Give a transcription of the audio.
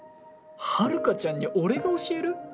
ハルカちゃんに俺が教える！？